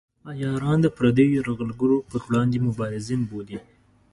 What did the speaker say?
عیاران د پردیو یرغلګرو پر وړاندې مبارزین بولي.